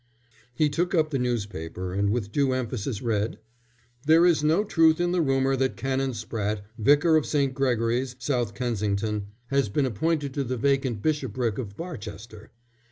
He took up the newspaper and with due emphasis read: "There is no truth in the rumour that Canon Spratte, Vicar of St. Gregory's, South Kensington, has been appointed to the vacant bishopric of Barchester."